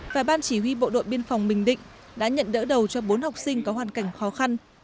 và ban chỉ huy bộ đội biên phòng bình định đã nhận đỡ đầu cho bốn học sinh có hoàn cảnh khó khăn